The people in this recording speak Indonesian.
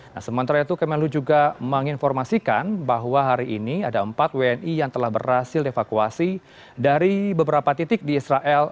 nah sementara itu kemenlu juga menginformasikan bahwa hari ini ada empat wni yang telah berhasil evakuasi dari beberapa titik di israel